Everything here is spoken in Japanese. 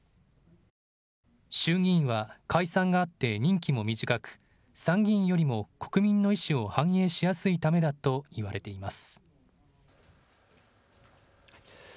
衆議院は解散があって任期も短く参議院よりも国民の意思を反映しやすいためだといわれています。